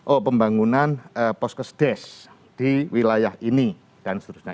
oh pembangunan poskes des di wilayah ini dan seterusnya